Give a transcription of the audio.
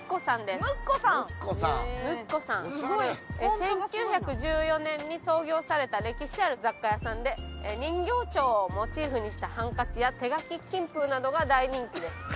１９１４年に創業された歴史ある雑貨屋さんで人形町をモチーフにしたハンカチや手書き金封などが大人気です。